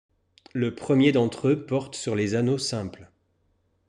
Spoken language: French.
Le premier d'entre eux porte sur les anneaux simples.